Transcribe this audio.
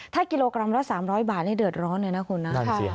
ถ้ากิโลกรัมละ๓๐๐บาทนี่เดือดร้อนเลยนะคุณนะ